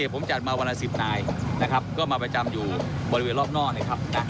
ผมจัดมาวันละ๑๐นายนะครับก็มาประจำอยู่บริเวณรอบนอกนะครับ